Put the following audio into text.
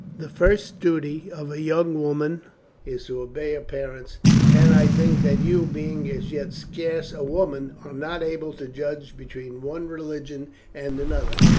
"The first duty of a young woman is to obey her parents, and I think that you, being as yet scarce a woman, are not able to judge between one religion and another.